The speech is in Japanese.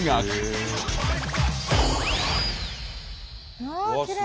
うわっきれい。